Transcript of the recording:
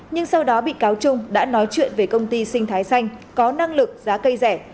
nhưng sau đó bị cáo trung đã nói chuyện về công ty sinh thái xanh có năng lực giá cây rẻ